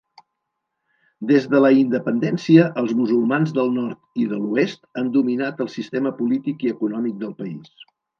Des de la independència, els musulmans del nord i de l'oest han dominat el sistema polític i econòmic del país.